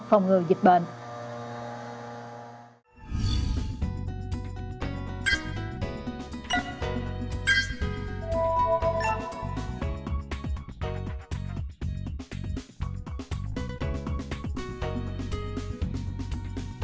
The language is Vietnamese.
phòng ngừa dịch bệnh